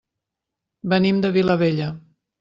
Venim de la Vilavella.